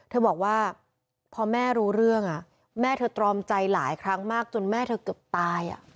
เธอบอกว่าพอแม่รู้เรื่องแม่เธอตรอมใจหลายครั้งมากจนแม่เธอเกือบตาย